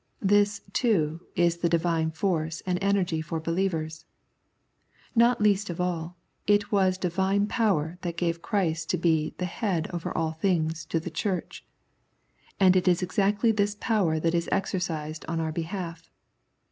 This, too, is the Divine force and energy for believers. (4) Not least of all, it was Divine power that gave Christ to be " the Head over all things to the Church," and it is exactly this power that is exercised on our behalf.